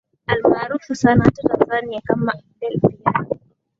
almaarufu sana hapa tanzania kama del piero